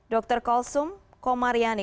dr kolsum komaryani